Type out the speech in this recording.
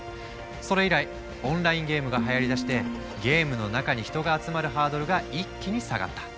それ以来オンラインゲームがはやりだしてゲームの中に人が集まるハードルが一気に下がった。